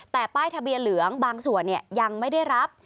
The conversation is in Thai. แต่ป้ายทะเบียนเหลืองบางส่วนยังไม่ได้รับ